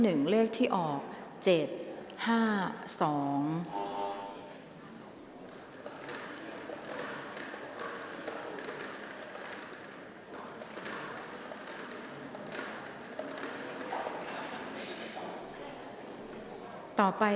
ออกรางวัลเลขหน้า๓ตัวครั้งที่๒